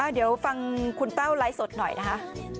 เดี๋ยวฟังคุณแต้วไลฟ์สดหน่อยนะคะ